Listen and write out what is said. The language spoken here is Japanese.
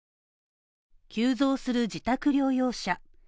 急増する自宅療養者。